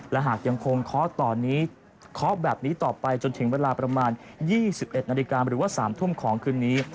และหากยังคงเคาะตอนนี้เคาะแบบนี้ต่อไปจนถึงเวลาประมาณ๒๑นาฬิกาหรือว่า๓ทุ่มของคืนนี้